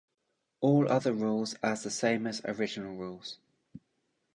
All other rules as the same as original rules.